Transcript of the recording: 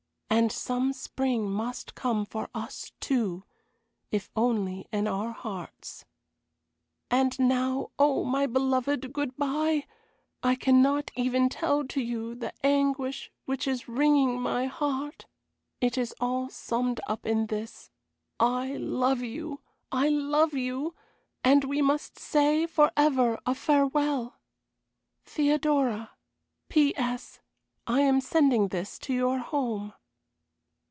And some spring must come for us, too if only in our hearts. "And now, O my beloved, good bye! I cannot even tell to you the anguish which is wringing my heart. It is all summed up in this. I love you! I love you! and we must say forever a farewell! "THEODORA. "P.S. I am sending this to your home."